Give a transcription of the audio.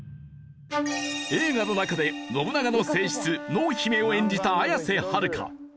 映画の中で信長の正室濃姫を演じた綾瀬はるか。